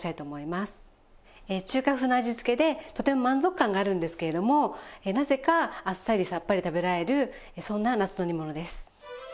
中華風の味付けでとても満足感があるんですけれどもなぜかあっさりさっぱり食べられるそんな夏の煮ものです。